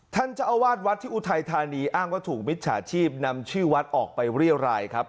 ท่านเจ้าอาวาสวัดที่อุทัยธานีอ้างว่าถูกมิจฉาชีพนำชื่อวัดออกไปเรียรายครับ